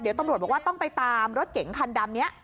เดี๋ยวตำรวจบอกว่าต้องไปตามรถเก๋งคันดำนี้